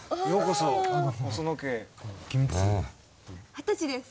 二十歳です。